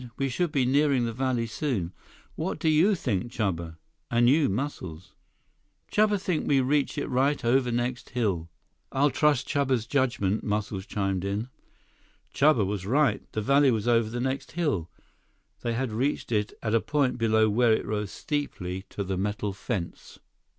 "We should be nearing the valley soon. What do you think, Chuba? And you, Muscles?" "Chuba think we reach it right over next hill." "I'll trust Chuba's judgment," Muscles chimed in. Chuba was right. The valley was over the next hill. They had reached it at a point below where it rose steeply to the metal fence.